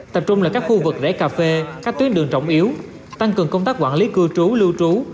tập trung là các khu vực rễ cà phê các tuyến đường trọng yếu tăng cường công tác quản lý cư trú lưu trú